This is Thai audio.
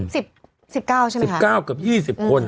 ๑๙ใช่ไหมคะ๑๙เกือบ๒๐คน